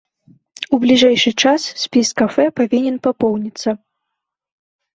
У бліжэйшы час спіс кафэ павінен папоўніцца.